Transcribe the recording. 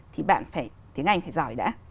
thì bạn phải tiếng anh phải giỏi đã